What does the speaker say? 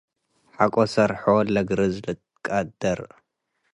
ሐቆ ሰር-ሖል ለግርዝ ልትቃደር ።